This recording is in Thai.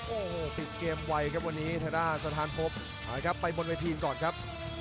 โอ้โหปิดเกมไวครับวันนี้ทะด้าสถานพบไปบนวัยทีมก่อนครับ